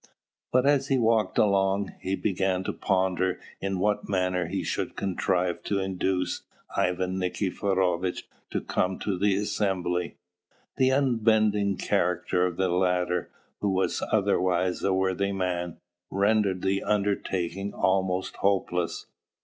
But, as he walked along, he began to ponder in what manner he should contrive to induce Ivan Nikiforovitch to come to the assembly. The unbending character of the latter, who was otherwise a worthy man, rendered the undertaking almost hopeless.